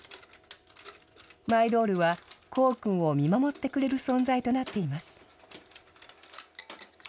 マイドールは功君を見守ってくれる存在となっています。